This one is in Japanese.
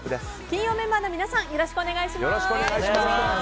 金曜メンバーの皆さんよろしくお願いします。